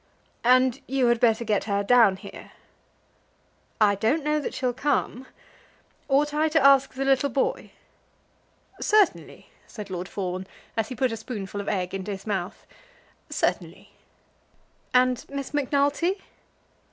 "And you had better get her down here." "I don't know that she'll come. Ought I to ask the little boy?" "Certainly," said Lord Fawn, as he put a spoonful of egg into his mouth; "certainly." "And Miss Macnulty?"